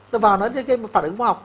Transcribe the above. nó vào nó cái phản ứng vô học